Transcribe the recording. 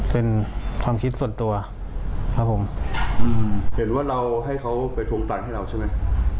เป็นความคิดส่วนตัวครับผมเห็นว่าเราให้เขาไปทวงปันให้เราใช่ไหม